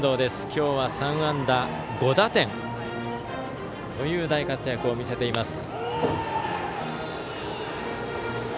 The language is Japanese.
今日は３安打５打点という大活躍を見せています。